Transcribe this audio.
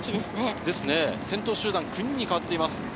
先頭集団９人に変わっています。